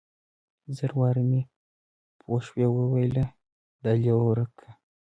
زر واره مې پوشوې ويلي دا ليوه ورک که.